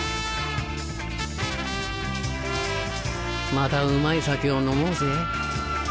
またうまい酒を飲もうぜ。